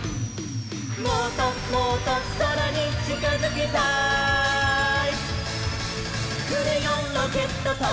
「もっともっとそらにちかづきたい」「クレヨンロケットとぶよね」